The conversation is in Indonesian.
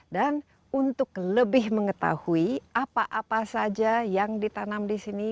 dan untuk lebih mengetahui apa apa saja yang ditanam di sini